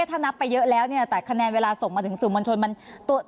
ถ้านับไปเยอะแล้วแต่คะแนนเวลาส่งมาถึงสู่มณฑล